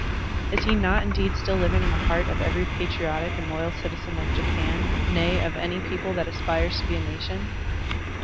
Is he not indeed still living in the heart of every patriotic and loyal citizen of Japan, nay, of any people that aspires to be a nation?